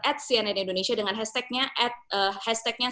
at cnn indonesia dengan hashtagnya